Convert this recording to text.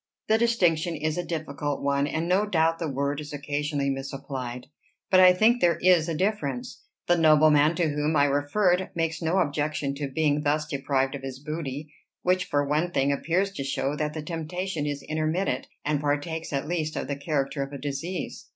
"The distinction is a difficult one, and no doubt the word is occasionally misapplied. But I think there is a difference. The nobleman to whom I referred makes no objection to being thus deprived of his booty; which, for one thing, appears to show that the temptation is intermittent, and partakes at least of the character of a disease."